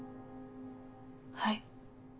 はい。